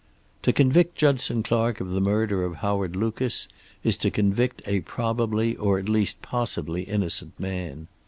"To convict Judson Clark of the murder of Howard Lucas is to convict a probably or at least possibly innocent man.